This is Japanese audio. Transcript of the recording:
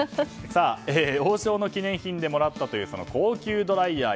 王将の記念品でもらったという高級ドライヤー